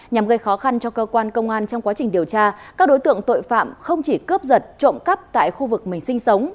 nhằm gây khó khăn cho cơ quan công an trong quá trình điều tra các đối tượng tội phạm không chỉ cướp giật trộm cắp tại khu vực mình sinh sống